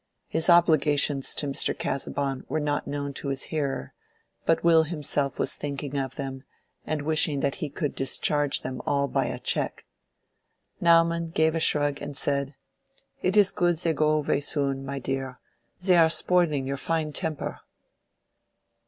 His obligations to Mr. Casaubon were not known to his hearer, but Will himself was thinking of them, and wishing that he could discharge them all by a check. Naumann gave a shrug and said, "It is good they go away soon, my dear. They are spoiling your fine temper."